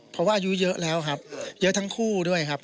เพราะว่าอายุเยอะแล้วครับเยอะทั้งคู่ด้วยครับ